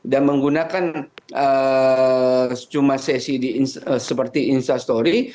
dan menggunakan cuma ccd seperti instastory